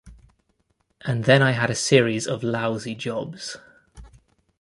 And then I had a series of lousy jobs.